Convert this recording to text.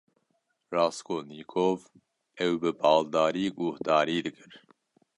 Raskolnîkov ew bi baldarî guhdarî dikir.